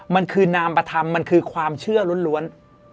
มันคือนามปธรรมมันคือความเชื่อล้วน